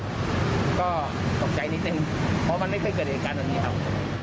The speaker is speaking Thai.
ก็ตกใจนิดนึงเพราะมันไม่เคยเกิดเหตุการณ์แบบนี้ครับ